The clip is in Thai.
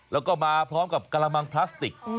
แล้วก็มาพร้อมกับกระมังพลาสติก